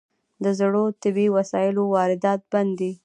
د زړو طبي وسایلو واردات بند دي؟